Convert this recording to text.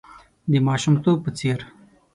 د ماشومتوب په څېر .